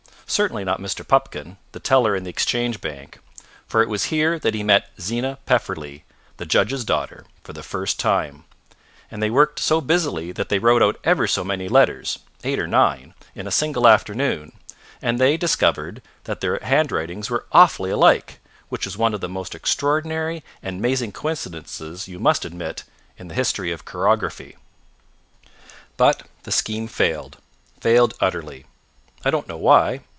Certainly not Mr. Pupkin, the teller in the Exchange Bank, for it was here that he met Zena Pepperleigh, the judge's daughter, for the first time; and they worked so busily that they wrote out ever so many letters eight or nine in a single afternoon, and they discovered that their handwritings were awfully alike, which was one of the most extraordinary and amazing coincidences, you will admit, in the history of chirography. But the scheme failed failed utterly. I don't know why.